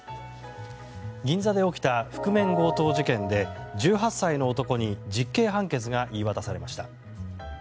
銀座で起きた覆面強盗事件で１８歳の男に実刑判決が言い渡されました。